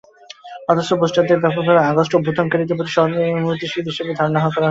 অথচ বোস্টারকে ব্যাপকভাবে আগস্ট অভ্যুত্থানকারীদের প্রতি সহানুভূতিশীল হিসেবে ধারণা করা হয়ে থাকে।